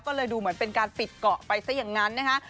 ก็เลยดูเหมือนเป็นการปิดเกาะไปซะอย่างนั้นนะคะ